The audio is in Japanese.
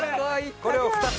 これを２つ。